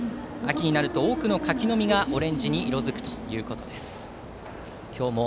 秋になると多くの柿の実がオレンジに色づくということです。